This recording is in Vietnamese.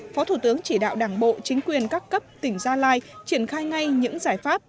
phó thủ tướng chỉ đạo đảng bộ chính quyền các cấp tỉnh gia lai triển khai ngay những giải pháp